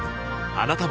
あなたも